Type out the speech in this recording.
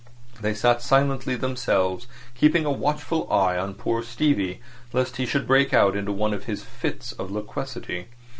They sat silent themselves, keeping a watchful eye on poor Stevie, lest he should break out into one of his fits of loquacity.